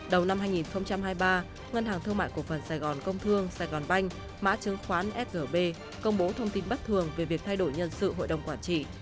đầu năm hai nghìn hai mươi ba ngân hàng thương mại cổ phần sài gòn công thương sài gòn banh mã chứng khoán sgb công bố thông tin bất thường về việc thay đổi nhân sự hội đồng quản trị